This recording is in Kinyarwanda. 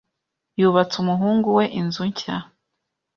Yubatse umuhungu we inzu nshya.